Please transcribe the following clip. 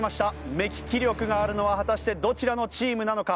目利き力があるのは果たしてどちらのチームなのか。